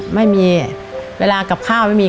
ไม่มีเวลากับข้าวไม่มี